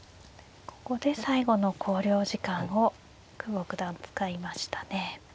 ここで最後の考慮時間を久保九段使いましたね。